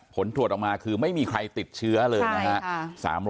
ผลตรวจออกมาคือไม่มีใครติดเชื้อเลยนะครับ